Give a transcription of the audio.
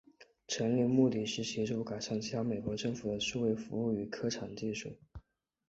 成立目的是协助改善其他美国政府的数位服务与科技产品。